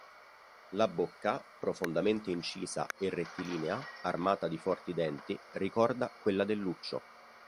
La bocca, profondamente incisa e rettilinea, armata di forti denti, ricorda quella del luccio.